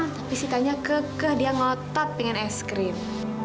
tapi sitanya kekeh dia ngotot pengen es krim